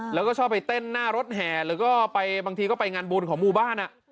แล้วก็ชอบไปเต้นหน้ารถแห่แล้วก็ไปบางทีก็ไปงานบุญของหมู่บ้าน